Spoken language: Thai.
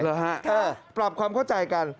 เหรอฮะปรับความเข้าใจกัน